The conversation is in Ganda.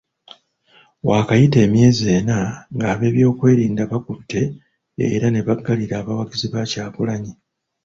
Waakayita emyezi ena ng'abeebyokwerinda bakutte era ne baggalira abawagizi ba Kyagulanyi.